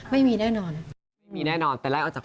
ไม่มีแน่นอน